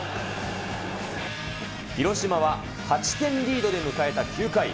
広島は８点リードで迎えた９回。